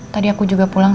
tadi aku juga pulang